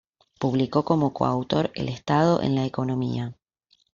Publicó como coautor El Estado en la Economía.